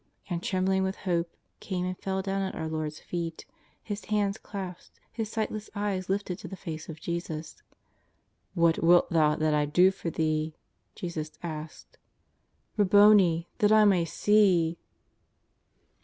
And, trembling with hope, came and fell down at our Lord's feet, his hands clasped, his sightless eyes lifted to the face of Jesus. '^ What wilt thou that I do for thee ?" Jesus asked. ^^ Rabboni, that I may see